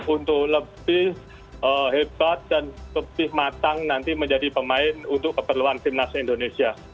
untuk lebih hebat dan lebih matang nanti menjadi pemain untuk keperluan timnas indonesia